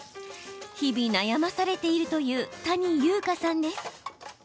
日々、悩まされているという谷優香さんです。